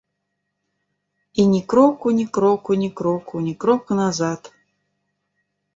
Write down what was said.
І ні кроку, ні кроку, ні кроку, ні кроку назад.